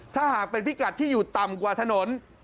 ถ้าหากเป็นพิกัดที่อยู่ต่ำกว่าถนน